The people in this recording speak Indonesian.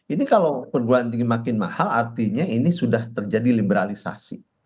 ini kalau perguruan tinggi makin mahal artinya ini sudah terjadi liberalisasi